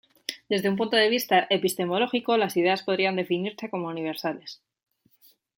Desde un punto de vista epistemológico, las ideas podrían definirse como universales.